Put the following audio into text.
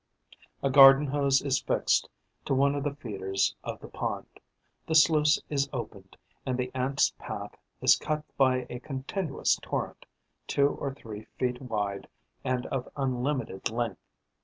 A garden hose is fixed to one of the feeders of the pond; the sluice is opened; and the Ants' path is cut by a continuous torrent, two or three feet wide and of unlimited length.